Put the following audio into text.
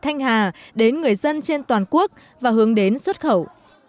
hướng đến xuất khẩu